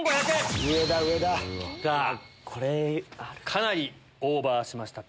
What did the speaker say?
かなりオーバーしました